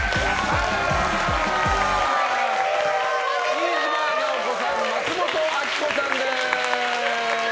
飯島直子さん、松本明子さんです。